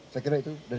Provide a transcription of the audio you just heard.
saya kira itu dari saya